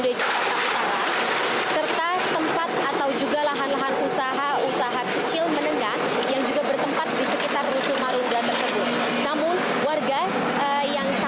di rumah susun atau rusun marun